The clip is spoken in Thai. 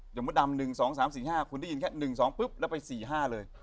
มดดำ๑๒๓๔๕คุณได้ยินแค่๑๒ปุ๊บแล้วไป๔๕เลย